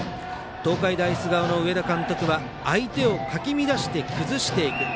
東海大菅生の上田監督は相手をかき乱して崩していく。